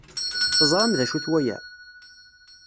Teẓram d acu-t waya?